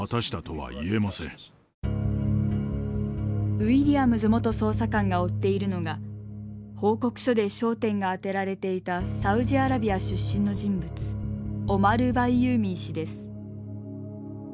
ウィリアムズ元捜査官が追っているのが報告書で焦点が当てられていたサウジアラビア出身の人物オマル・バイユーミー氏です。